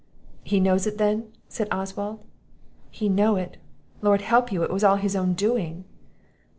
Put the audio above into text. "He knows it then?" said Oswald. "He know it! Lord help you, it was all his own doing."